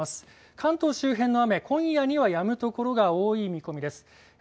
関東周辺の雨、今夜にはやむ所が多い見込みです。